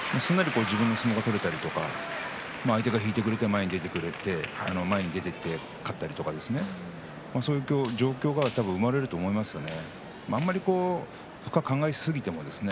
そういう時の方がすんなり自分の相撲が取れたりとか相手が引いてくれて前に出られてね、勝ったりとかそういう状況が生まれると思いますよね。